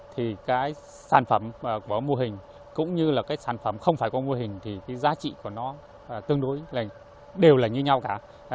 thì sản phẩm của mô hình cũng như sản phẩm không phải của mô hình thì giá trị của nó tương đối đều là như nhau cả